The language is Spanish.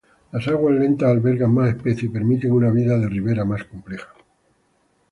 Las aguas lentas albergan más especies y permiten una vida de ribera más compleja.